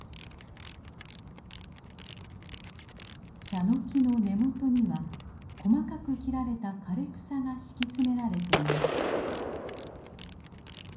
チャノキの根元には細かく切られた枯れ草が敷き詰められています。